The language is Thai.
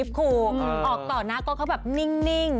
ออกต่อนายังมั่กมันแบบนิ่ง